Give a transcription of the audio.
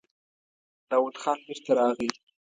داوود خان بېرته راغی.